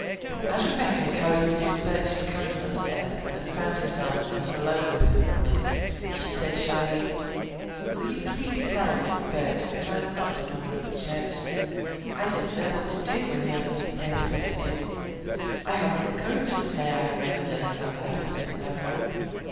As Rebecca carried Mrs. Burch's candle upstairs and found herself thus alone with her for a minute, she said shyly, "Will you please tell Mr. Burch that I'm not a member of the church? I didn't know what to do when he asked me to pray this afternoon. I hadn't the courage to say I had never done it out loud and didn't know how.